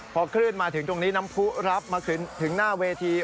พอคลื่นมาถึงตรงนี้น้ำผู้รับมาถึงหน้าเวที